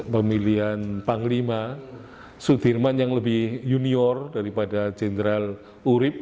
pemilihan panglima sudirman yang lebih junior daripada jenderal urib